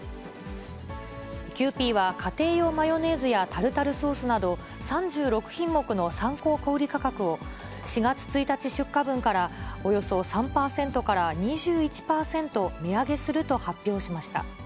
キユーピーは、家庭用マヨネーズやタルタルソースなど、３６品目の参考小売り価格を、４月１日出荷分から、およそ３％から２１％値上げすると発表しました。